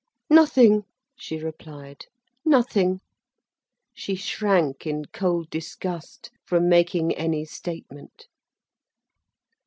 "Nothing," she replied, "nothing." She shrank in cold disgust from making any statement.